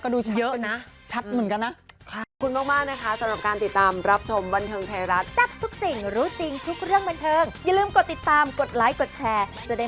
แล้วยังอะไรอ่ะครับผมคุณครับมี๙ด้วยมันกลับหัวกลับหาได้